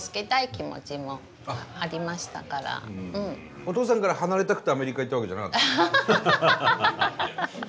でもお父さんから離れたくてアメリカ行ったわけじゃなかった？